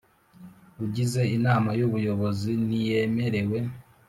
Ugize Inama y Ubuyobozi ntiyemerewe